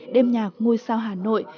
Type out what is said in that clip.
đêm nhạc ngôi sao hà nội